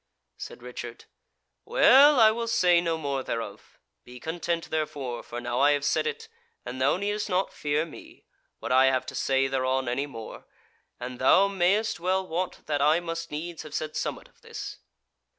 Said Richard: "Well, I will say no more thereof; be content therefore, for now I have said it, and thou needest not fear me, what I have to say thereon any more, and thou mayst well wot that I must needs have said somewhat of this."